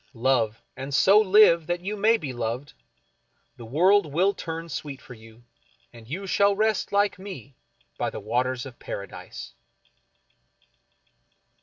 Love, and so live that you may be loved — the world will turn sweet for you, and you shall rest like me by the Waters of Paradise.